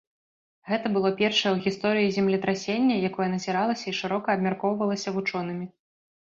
Гэта было першае ў гісторыі землетрасенне, якое назіралася і шырока абмяркоўвалася вучонымі.